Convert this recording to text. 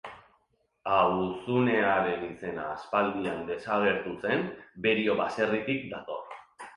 Auzunearen izena aspaldian desagertu zen Berio baserritik dator.